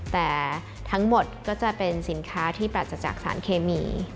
แต่ทั้งหมดก็จะเป็นสินค้าที่ปรัสจากสารเคมี